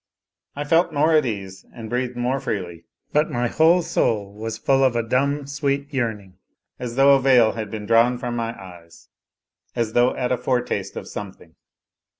I felt more at ease and breathed more freely, but my whole soul was full of a dumb, sweet yearning, as though a veil had been drawn from my eyes as though at a foretaste of something.